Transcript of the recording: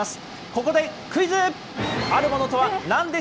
ここでクイズ。